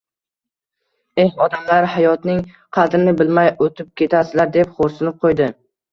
Eh, odamlar-a, hayotning qadrini bilmay oʻtib ketasizlar, deb xoʻrsinib qoʻydi